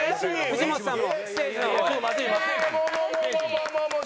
藤本さん！